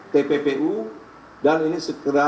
tppu dan ini segera